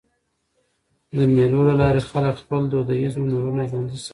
د مېلو له لاري خلک خپل دودیز هنرونه ژوندي ساتي.